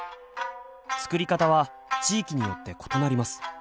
作り方は地域によって異なります。